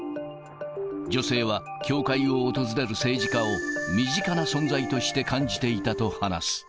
女性は教会を訪れる政治家を身近な存在として感じていたと話す。